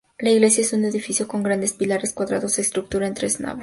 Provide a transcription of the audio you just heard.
La iglesia es un edificio con grandes pilares cuadrados estructurada en tres naves.